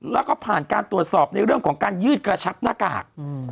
แล้วก็ผ่านการตรวจสอบในเรื่องของการยืดกระชับหน้ากาก